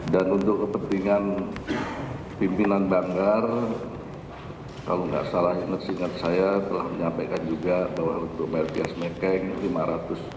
dan untuk kepentingan pimpinan banggar kalau gak salah ingat ingat saya telah menyampaikan juga bahwa untuk merkia smekeng lima ratus ribu usd